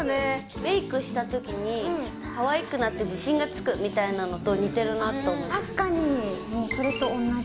メークしたときに、かわいくなって自信がつくみたいなのと似てる確かに。